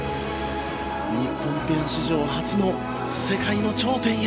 日本ペア史上初の世界の頂点へ。